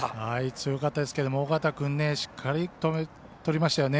強かったですけども緒方君しっかりとりましたよね。